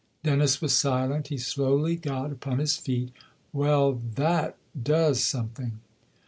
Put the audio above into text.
Dennis was silent ; he slowly got upon his feet. " Well, that does something."